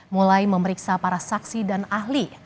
mulai memeriksa para saksi dan ahli